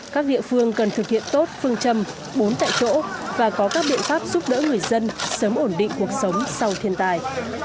các địa phương cần thực hiện tốt phương châm bốn tại chỗ và có các biện pháp giúp đỡ người dân sớm ổn định cuộc sống sau thiên tai